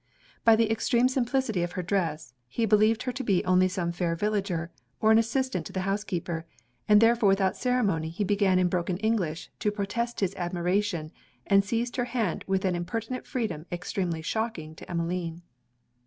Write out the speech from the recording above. By the extreme simplicity of her dress, he believed her to be only some fair villager, or an assistant to the housekeeper; and therefore without ceremony he began in broken English to protest his admiration, and seized her hand with an impertinent freedom extremely shocking to Emmeline.